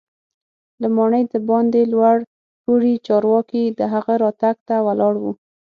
له ماڼۍ دباندې لوړ پوړي چارواکي د هغه راتګ ته ولاړ وو.